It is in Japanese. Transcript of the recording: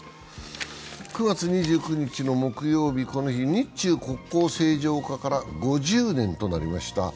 ９月２９日の木曜日、この日、日中国交正常化から５０年となりました。